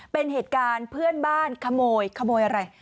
เป็นเหตุการณ์เพื่อนบ้านขโมยขโมยอะไร